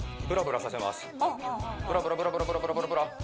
ブラブラブラブラブラブラ